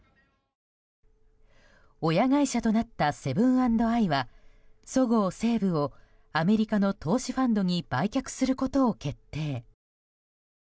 親会社となったセブン＆アイはそごう・西武をアメリカの投資ファンドに売却することを決定。